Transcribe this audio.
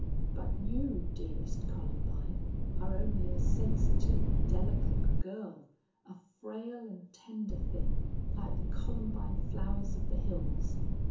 But you, dearest Columbine, are only a sensitive, delicate girl, a frail and tender thing like the columbine flowers of the hills.